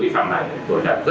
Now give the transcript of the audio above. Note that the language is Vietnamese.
bị phạm này tổ chức rất trẻ